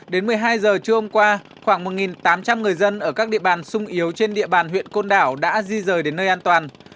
đến một mươi hai giờ trưa hôm qua khoảng một tám trăm linh người dân ở các địa bàn sung yếu trên địa bàn huyện côn đảo đã di rời đến nơi an toàn